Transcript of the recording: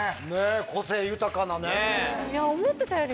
個性豊かなね。